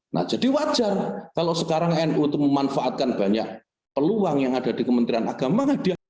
nah jadi wajar kalau sekarang nu itu memanfaatkan banyak peluang yang ada di kementerian agama